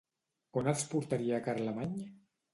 On els portaria Carlemany?